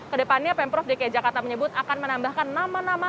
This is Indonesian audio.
kedepannya pemprov dki jakarta menyebut akan menambahkan nama nama